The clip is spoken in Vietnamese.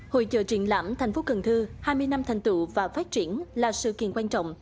hội trợ triển lãm thành phố cần thơ hai mươi năm thành tựu và phát triển là sự kiện quan trọng